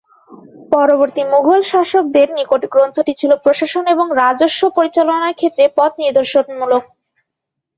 পরবর্তী মুগল শাসকদের নিকট গ্রন্থটি ছিল প্রশাসন এবং রাজস্ব পরিচালনার ক্ষেত্রে পথনির্দেশক মূলক।